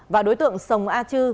và đối tượng sồng a chư